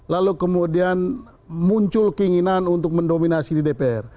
lalu kemudian muncul keinginan untuk mendominasi di dpr